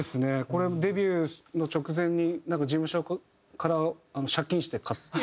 これデビューの直前になんか事務所から借金して買って。